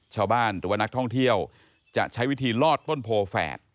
ชาวบ้านหรือว่านักท่องเที่ยวจะใช้วิธีลอดต้นโพแฝด